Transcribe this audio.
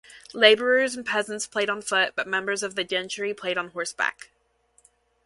Labourers and peasants played on foot, but members of the gentry played on horseback.